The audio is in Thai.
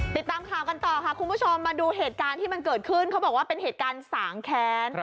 ติดตามข่าวกันต่อค่ะคุณผู้ชมมาดูเหตุการณ์ที่มันเกิดขึ้นเขาบอกว่าเป็นเหตุการณ์สางแค้น